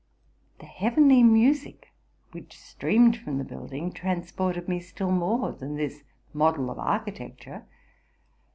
The heavenly musie which streamed from the building transported me still more than this model of architecture.